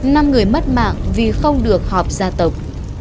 năm người mất mạng vì không được họp gia tộc